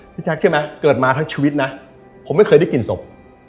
แจ๊คเชื่อไหมเกิดมาทั้งชีวิตนะผมไม่เคยได้กลิ่นศพ